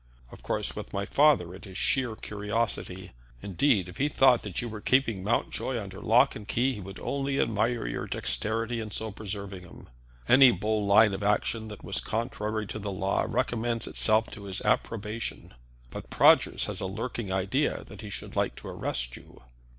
Of course, with my father it is sheer curiosity. Indeed, if he thought that you were keeping Mountjoy under lock and key, he would only admire your dexterity in so preserving him. Any bold line of action that was contrary to the law recommends itself to his approbation. But Prodgers has a lurking idea that he should like to arrest you."